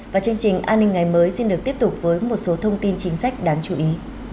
và chương trình an ninh ngày mới xin được tiếp tục với một số thông tin chính sách đáng chú ý